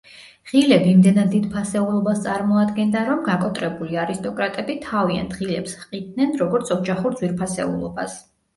ღილები იმდენად დიდ ფასეულობას წარმოადგენდა, რომ გაკოტრებული არისტოკრატები თავიანთ ღილებს ჰყიდნენ, როგორც ოჯახურ ძვირფასეულობას.